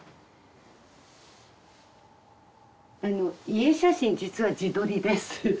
あの遺影写真実は自撮りです。